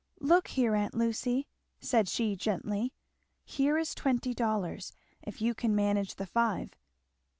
"Look here, aunt Lucy," said she gently, "here is twenty dollars, if you can manage the five."